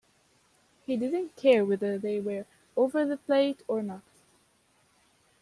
He didn't care whether they were over the plate or not.